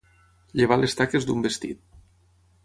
Llevar les taques d'un vestit.